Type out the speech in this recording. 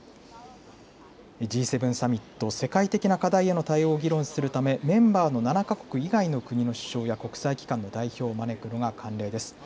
Ｇ７サミット、世界的な課題への対応を議論するためメンバーの７か国以外の首相や国際機関の代表を招くのが慣例です。